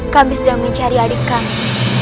kami sedang mencari adik kami